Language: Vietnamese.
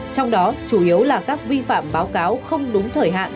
trong đó chủ yếu là các vi phạm báo cáo không đúng thời hạn